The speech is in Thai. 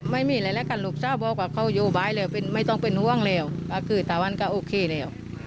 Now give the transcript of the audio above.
พี่บิ๊กอาจจะพูดอะไรก็ให้พูดไป